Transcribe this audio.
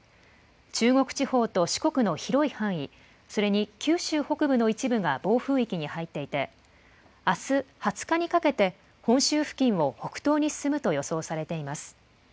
中国地方と四国の広い範囲、それに九州北部の一部が暴風域に入っていて、あす２０日にかけて、本州付近を北東に進むと予想されています。